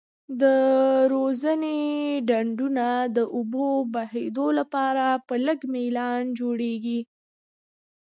د روزنې ډنډونه د اوبو بهیدو لپاره په لږ میلان جوړیږي.